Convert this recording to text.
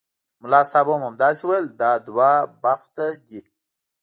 ملا صاحب هم همداسې ویل دا دوه بخته دي.